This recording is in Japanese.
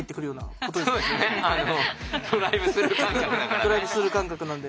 ドライブスルー感覚なんで。